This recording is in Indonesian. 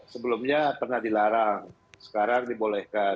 sebelumnya pernah dilarang sekarang dibolehkan